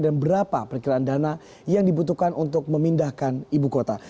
dan berapa perikiran dana yang dibutuhkan untuk memindahkan ibu kota